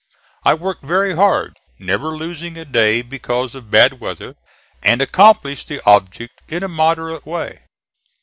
I worked very hard, never losing a day because of bad weather, and accomplished the object in a moderate way.